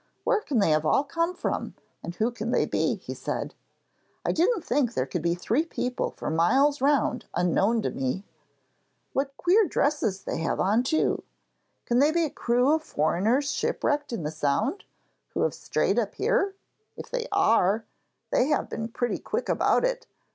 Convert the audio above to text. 'Where can they all have come from, and who can they be?' he said. 'I didn't think there could be three people for miles round unknown to me. What queer dresses they have on, too! Can they be a crew of foreigners shipwrecked in the Sound, who have strayed up here? If they are, they have been pretty quick about it.